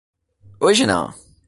Hoje não.